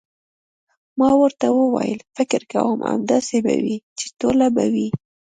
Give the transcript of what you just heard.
ما ورته وویل: فکر کوم، همداسې به وي، چې ټوله به وي.